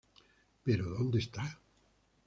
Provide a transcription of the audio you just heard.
Pero ¿dónde está?